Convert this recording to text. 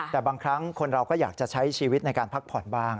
แต่บางครั้งคนเราก็อยากจะใช้ชีวิตในการพักผ่อนบ้าง